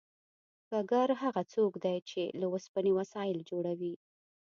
ګګر هغه څوک دی چې له اوسپنې وسایل جوړوي